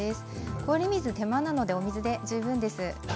氷水は手間なのでお水で十分です。